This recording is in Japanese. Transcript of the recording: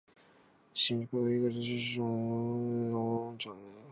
新疆ウイグル自治区の自治区首府はウルムチである